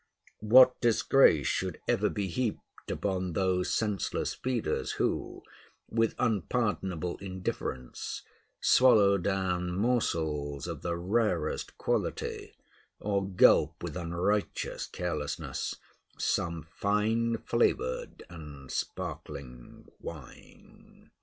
What disgrace should ever be heaped upon those senseless feeders who, with unpardonable indifference, swallow down morsels of the rarest quality, or gulp with unrighteous carelessness some fine flavored and sparkling wine.